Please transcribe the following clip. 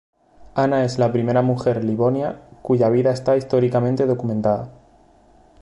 Ana es la primera mujer Livonia, cuya vida está históricamente documentada.